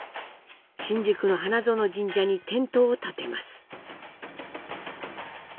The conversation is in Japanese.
新宿の花園神社にテントをたてます。